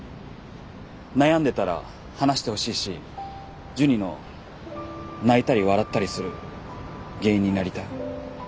悩んでたら話してほしいしジュニの泣いたり笑ったりする原因になりたい。